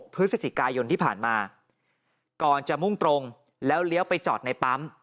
พฤศจิกายนที่ผ่านมาก่อนจะมุ่งตรงแล้วเลี้ยวไปจอดในปั๊ม